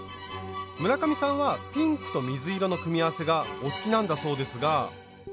村上さんはピンクと水色の組み合わせがお好きなんだそうですが。